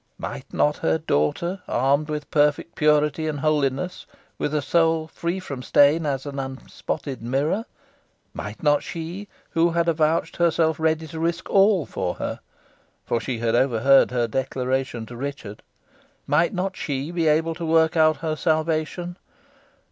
Might not her daughter, armed with perfect purity and holiness, with a soul free from stain as an unspotted mirror; might not she, who had avouched herself ready to risk all for her for she had overheard her declaration to Richard; might not she be able to work out her salvation?